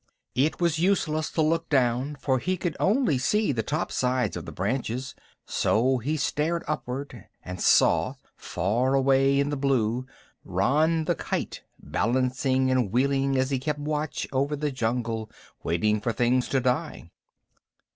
It was useless to look down, for he could only see the topsides of the branches, so he stared upward and saw, far away in the blue, Rann the Kite balancing and wheeling as he kept watch over the jungle waiting for things to die.